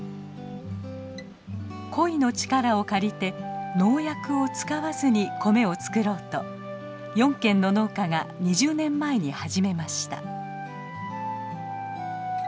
コイの力を借りて農薬を使わずに米を作ろうと４軒の農家が２０年前に始めました。